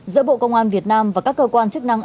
giữa bộ công an việt nam và các cơ quan chức năng